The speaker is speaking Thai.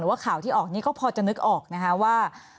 ว่าข่าวที่ออกนี้ก็พอจะนึกออกนะคะว่า